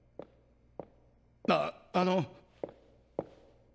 あっあの！？